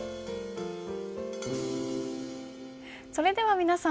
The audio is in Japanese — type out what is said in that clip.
それでは皆さん